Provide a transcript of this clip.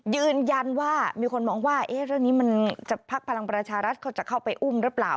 ยืนยันว่ามีคนมองว่าเรื่องนี้มันจะพักพลังประชารัฐเขาจะเข้าไปอุ้มหรือเปล่า